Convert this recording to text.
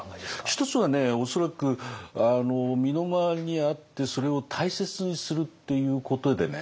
一つはね恐らく身の回りにあってそれを大切にするっていうことでね